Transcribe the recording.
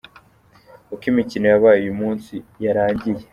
Uko imikino yabaye uyu munsi yarangiye:.